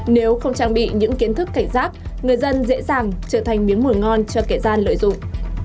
nếu không trang bị những kiến thức cảnh giác người dân dễ dàng trở thành miếng mùi ngon cho kẻ gian lợi dụng